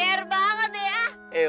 ger banget ya